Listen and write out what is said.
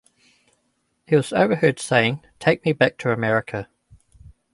He was overheard saying, Take me back to America.